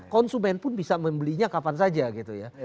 konsumen pun bisa membelinya kapan saja gitu ya